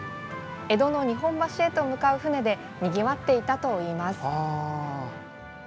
江戸の日本橋へと向かう船でにぎわっていたといいます。